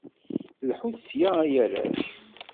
Lḥut sya ay arrac!